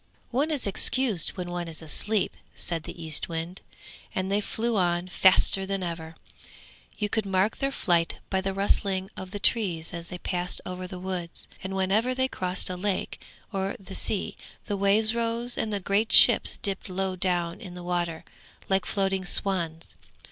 'One is excused when one is asleep!' said the Eastwind, and they flew on faster than ever. You could mark their flight by the rustling of the trees as they passed over the woods; and whenever they crossed a lake, or the sea, the waves rose and the great ships dipped low down in the water, like floating swans.